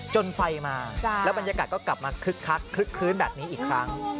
จนไฟมาแล้วบรรยากาศก็กลับมาคึกคักคลึกคลื้นแบบนี้อีกครั้ง